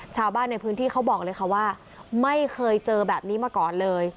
ชาวบ้านในพื้นที่เขาบอกเลยค่ะว่าไม่เคยเจอแบบนี้มาก่อนเลย